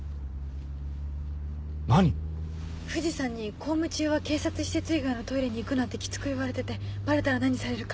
何⁉藤さんに公務中は警察施設以外のトイレに行くなってキツく言われててバレたら何されるか。